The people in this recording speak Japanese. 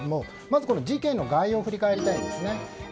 事件の概要を振り返りたいんですね。